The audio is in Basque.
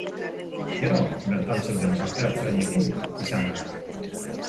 Gero, bertan zeuden parte-hartzaileekin izan gara.